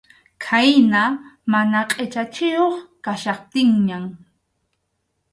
Khayna mana qʼichachiyuq kachkaptinñan.